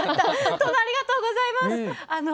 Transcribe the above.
殿、ありがとうございます！